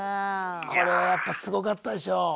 これはやっぱすごかったでしょう？